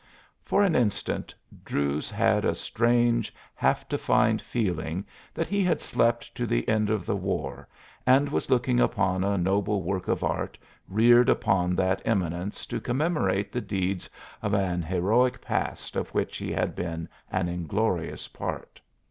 For an instant Druse had a strange, half defined feeling that he had slept to the end of the war and was looking upon a noble work of art reared upon that eminence to commemorate the deeds of an heroic past of which he had been an inglorious part.